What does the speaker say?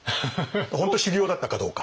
本当に修行だったかどうか。